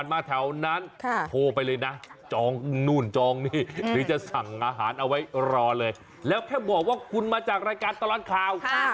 ไม่ต้องนู่นจองนี่รีชจะสั่งอาหารเอาไว้รอเลยแล้วแค่บอกว่าคุณมาจากรายการตลอดข่าวค่ะ